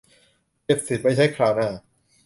เก็บสิทธิ์ไว้ใช้คราวหน้า